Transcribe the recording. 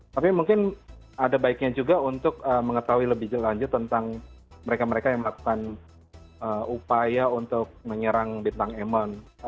tapi mungkin ada baiknya juga untuk mengetahui lebih lanjut tentang mereka mereka yang melakukan upaya untuk menyerang bintang emon